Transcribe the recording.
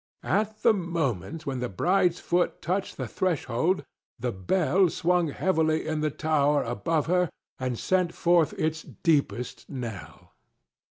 At the moment when the bride's foot touched the threshold the bell swung heavily in the tower above her and sent forth its deepest knell.